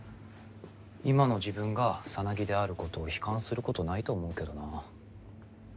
今の自分がサナギであることを悲観することないと思うけどなぁ。